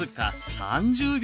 ３０秒？